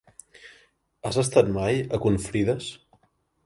Has estat mai a Confrides?